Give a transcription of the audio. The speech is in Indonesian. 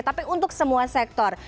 tapi untuk semua sektor